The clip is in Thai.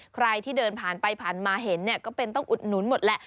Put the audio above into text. ใครที่เดินผ่านไปผ่านมาเห็นเนี่ยก็เป็นต้องอุดหนุนหมดแหละ